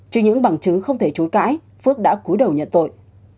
chứ những bằng chứng không thể chối cãi phước đã cúi đầu nhận tội